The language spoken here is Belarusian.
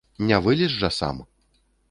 Не вылез жа сам?